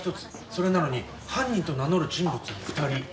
それなのに犯人と名乗る人物は２人。